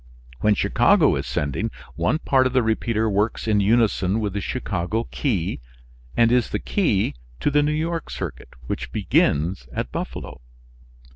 When Chicago is sending, one part of the repeater works in unison with the Chicago key and is the key to the New York circuit, which begins at Buffalo.